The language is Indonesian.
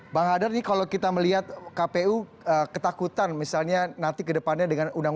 bang hadar ini kalau kita melihat kpu ketakutan misalnya nanti kedepannya dengan undang undang